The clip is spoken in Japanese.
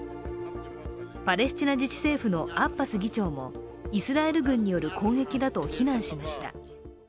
パレスチナ自治政府もアッバス議長もイスラエル軍による攻撃だと非難しました。